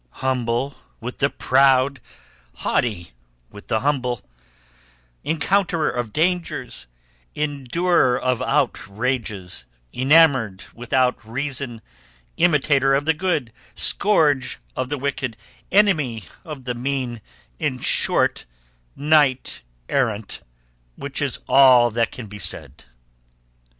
Humble with the proud, haughty with the humble, encounterer of dangers, endurer of outrages, enamoured without reason, imitator of the good, scourge of the wicked, enemy of the mean, in short, knight errant, which is all that can be said!"